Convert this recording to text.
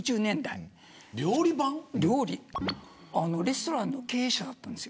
レストランの経営者だったんです。